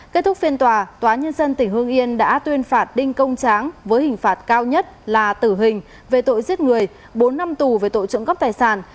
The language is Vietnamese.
kết thúc phiên tòa tòa nhân dân tỉnh hương yên đã tuyên phạt đinh công tráng với hình phạt cao nhất là tử hình về tội giết người bốn năm tù về tội trộm cắp tài sản